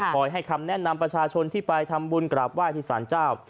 ให้คำแนะนำประชาชนที่ไปทำบุญกราบไหว้ที่สารเจ้า